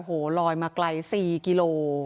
โอ้โหลอยมาไกล๔กิโล